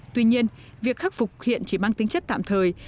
tuy nhiên việc khắc phục hiện chỉ mang tính chất tạm thời